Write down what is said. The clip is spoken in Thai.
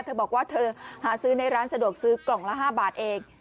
เธอบอกว่าเธอหาซื้อในร้านสะดวกซื้อกล่องละ๕บาทเอง